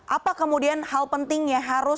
apa kemudian hal penting yang harus